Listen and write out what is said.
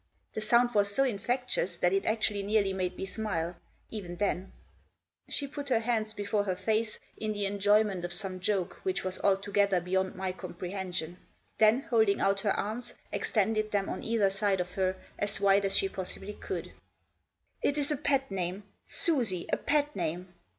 The sound was so infectious that it actually nearly made me smile — even then! She put her hands before her face, in the enjoyment of some joke which was altogether beyond my compre hension ; then, holding out her arms, extended them on either side of her as wide as she possibly could. Digitized by SUSIE. 123 " It is a pet name ; Susie, a pet name